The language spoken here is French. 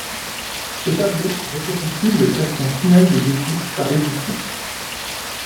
Ce tableau récapitule le classement final des équipes par édition.